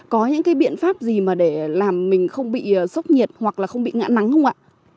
có những cái biện pháp gì mà để làm mình không bị sốc nhiệt hoặc là không bị ngã nắng không ạ